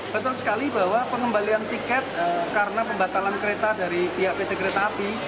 betul sekali bahwa pengembalian tiket karena pembatalan kereta dari pihak pt kereta api